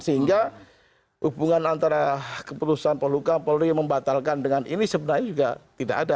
sehingga hubungan antara keputusan polhukam polri membatalkan dengan ini sebenarnya juga tidak ada